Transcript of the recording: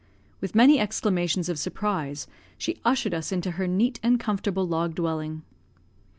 With many exclamations of surprise, she ushered us into her neat and comfortable log dwelling.